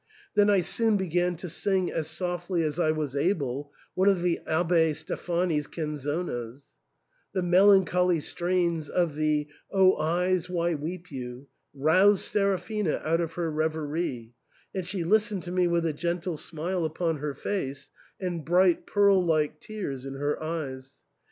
Then I soon began to sing as softly as I was able one of the Abb6 Steffani's * canzonas. The melancholy strains of the Ochi^ percht piangete (O eyes, why weep you ?) roused Seraphina out of her reverie, and she listened to me with a gentle smile upon her face, and bright pearl like tears in her eyes.